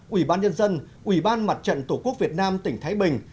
ủy ban nhân dân ủy ban mặt trận tổ quốc việt nam tỉnh thái bình